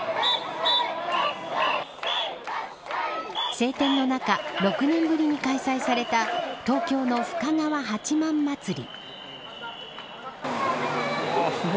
晴天の中６年ぶりに開催された東京の深川八幡祭り。